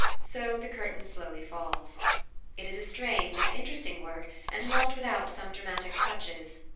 So the curtain slowly falls. It is a strange and interesting work, and not without some dramatic touches.